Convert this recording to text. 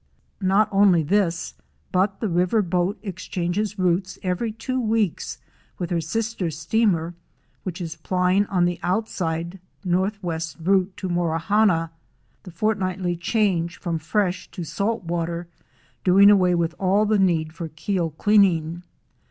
Not only this but the river boat exchanges routes every two weeks with her sister steamer which is plying on the outside northwest route to Morawhanna, the fortnightly change from fresh to salt water doing away with all need for keel cleaning.